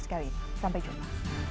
sekali sampai jumpa